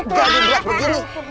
gak diberat begini